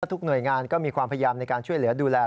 ทุกหน่วยงานก็มีความพยายามในการช่วยเหลือดูแล